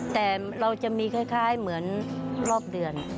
แต่เราจะมีคล้ายเหมือนรอบเดือน